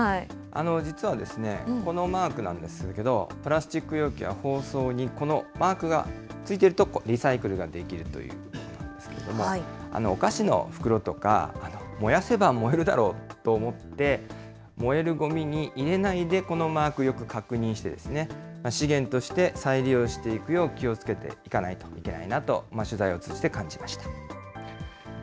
実はこのマークなんですけど、プラスチック容器や包装にこのマークがついていると、リサイクルができるということなんですけれども、お菓子の袋とか、燃やせば燃えるだろうと思って、燃えるごみに入れないで、このマークよく確認して、資源として再利用していくよう気をつけていかないといけないなと、取材を通じて感じました。